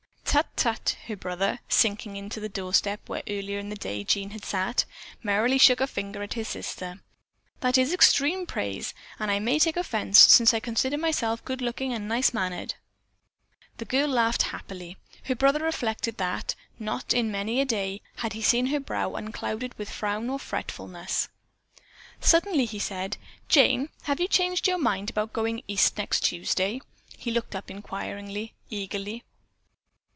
"Tut! Tut!" her brother, sinking to the doorstep where earlier in the day Jean had sat, merrily shook a finger at his sister, "That is extreme praise, and I may take offense, since I consider myself good looking and nice mannered." The girl laughed happily. Her brother reflected that, not in many a day, had he seen her brow unclouded with frown or fretfulness. Suddenly he said: "Jane, have you changed your mind about going East next Tuesday?" He looked up inquiringly, eagerly.